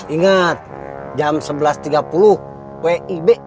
ingat jam sebelas tiga puluh wib